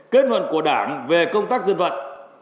kết luận của đảng về công tác dân vận